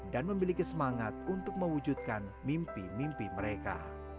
dan memiliki semangat untuk mewujudkan mimpi mimpi mereka